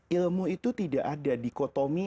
ilmu itu tidak ada dikotomi